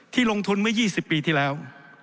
ลงทุนเมื่อ๒๐ปีที่แล้ว